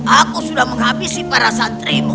aku sudah menghabisi para santrimu